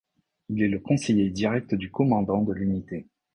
Il est le conseiller direct du commandant de l'unité.